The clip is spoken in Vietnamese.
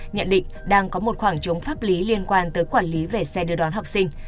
nhận định đang có một khoảng trống pháp lý liên quan tới quản lý về xe đưa đón học sinh